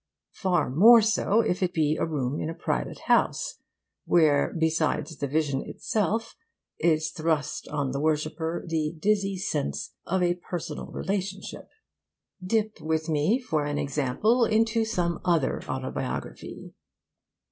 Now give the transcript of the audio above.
Far more so if it be a room in a private house, where, besides the vision itself, is thrust on the worshipper the dizzy sense of a personal relationship. Dip with me, for an example, into some other autobiography...